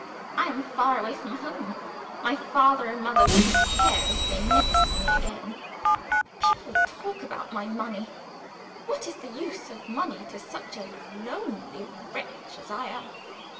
I am far away from home my father and mother wouldn't care if they never saw me again. People talk about my money! What is the use of money to such a lonely wretch as I am?